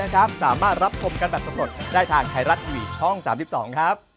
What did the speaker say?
การปรับสมบูรณ์ได้ทางไทรัตวิทย์ช่อง๓๒ครับ